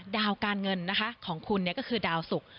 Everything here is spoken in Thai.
ดาวการเงินของคุณคือการดาวสุก